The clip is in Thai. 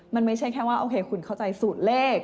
มันไม่ใช่แค่ว่าโอเคคุณเข้าใจสูตรเลข